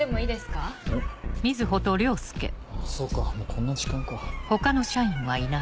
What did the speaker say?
あぁそうかもうこんな時間か。